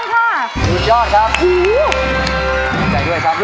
รวมทั้งหมดที่นิ้งได้ไปคือ๕๓คะแนนค่ะ